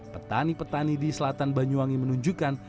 petani petani di selatan banyuwangi menunjukkan